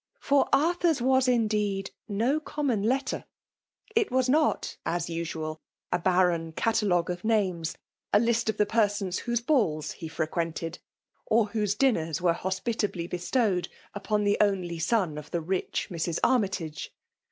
For Arthur's was indeed no common letter I It was not, as usual, a barren catalogue of names ; a list of the persons whose balls he frequented, or whose dinners were hospitably bestowed upon the only son of the rich Mrs. Armytage.